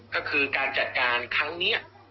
ก็คือการจัดการครั้งนี้